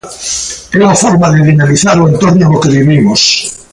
É unha forma de dinamizar o entorno no que vivimos.